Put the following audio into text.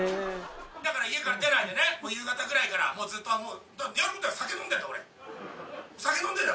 だから家から出ないでね、夕方ぐらいから、もうずっと、ずっと酒飲んでるの。